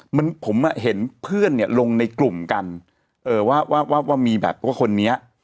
มันผมเห็นเพื่อนเนี่ยลงในกลุ่มกันเออว่าว่ามีแบบว่าคนนี้